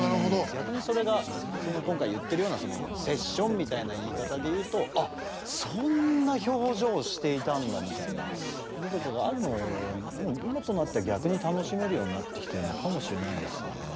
逆にそれが今回言ってるようなセッションみたいな言い方で言うと「あっそんな表情をしていたんだ」みたいなこととかがあるのも今となっては逆に楽しめるようになってきてるのかもしれないですね。